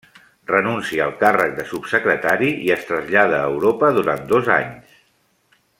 Renúncia al càrrec de Subsecretari, i es trasllada a Europa durant dos anys.